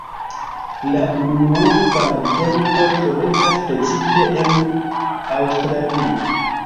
La unuopaj genroj troveblas precipe en Aŭstralio.